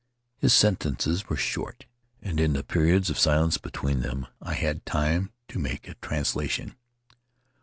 His sentences were short and in the periods of silence between them I had time to make a translation.